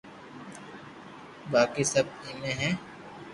ماقي سب ايمي ھي